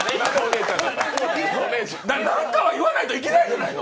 何かは言わないといけないじゃないの！